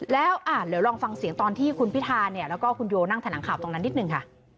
แล้วเหลือลองฟังเสียงตอนที่คุณพิทาและคุณโย่นั่งถนังข่าวตรงนั้นนิดหนึ่ง